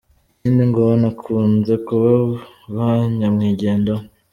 Ikindi ngo banakunze kuba ba nyamwigendaho.